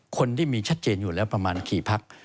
คนที่มีชัดเจนอยู่แล้วประมาณกี่พัก